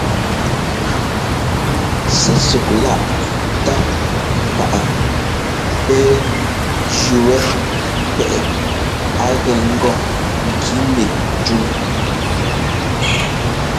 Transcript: Sɛ́súk-láꞌ lɔ ńtá páꞌa pɛ́ jʉ́ wɛ́ pɛ́ꞌɛ a gɛ ŋgɔ ŋki mík cúŋ.